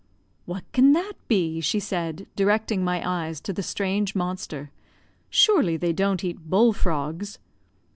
"What can that be?" she said, directing my eyes to the strange monster. "Surely they don't eat bull frogs!"